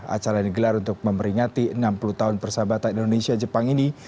acara yang digelar untuk memeringati enam puluh tahun persahabatan indonesia jepang ini